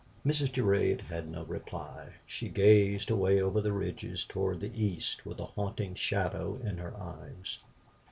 Mrs. Durade had no reply; she gazed away over the ridges toward the east with a haunting shadow in her eyes.